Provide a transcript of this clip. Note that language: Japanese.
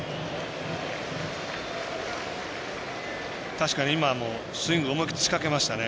確かに今もスイング思い切り仕掛けましたね。